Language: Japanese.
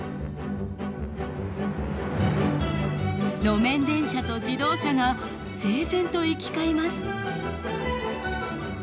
路面電車と自動車が整然と行き交います。